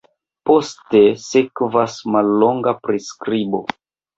Poste sekvas mallonga priskribo.